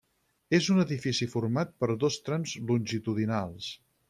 És un edifici format per dos trams longitudinals.